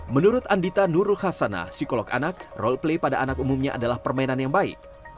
menurut andita nurul khasana psikolog anak roleplay pada anak umumnya adalah permainan yang baik